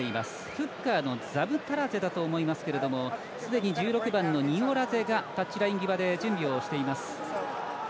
フッカーのザムタラゼだと思いますが１６番のニオラゼがタッチライン際で準備しています。